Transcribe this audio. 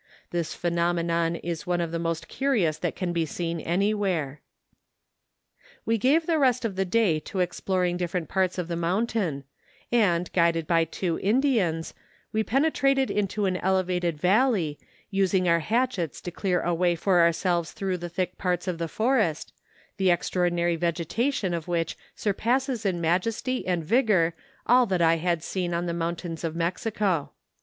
This phenomenon is one of the most curious that can be seen anywhere. We gave the rest of the day to exploring dif¬ ferent parts of the mountain, and, guided by two Indians, we penetrated into an elevated valley, using our hatchets to clear a way for ourselves through the thick parts of the forest, the extraor¬ dinary vegetation of wliich surpasses in majesty and vigour all that I had seen on the mountains of Mexico.